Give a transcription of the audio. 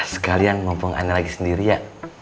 sekalian mampu aneh lagi sendiri ya